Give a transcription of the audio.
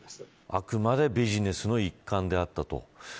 あくまでビジネスの一環だったと。